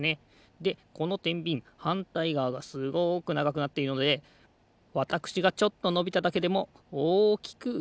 でこのてんびんはんたいがわがすごくながくなっているのでわたくしがちょっとのびただけでもおおきくうごくと。